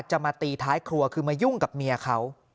จะมาตีท้ายครัวคือมายุ่งกับเมียเขา